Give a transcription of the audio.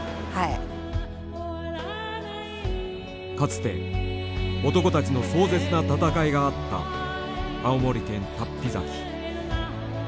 かつて男たちの壮絶な闘いがあった青森県竜飛崎。